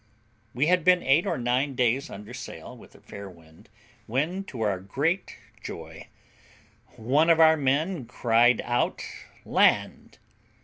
We had been eight or nine days under sail, with a fair wind, when, to our great joy, one of our men cried out "Land!"